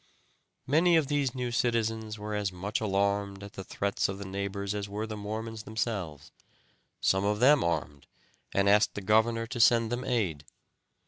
Many of these new citizens were as much alarmed at the threats of the neighbors as were the Mormons themselves; some of them armed, and asked the governor to send them aid.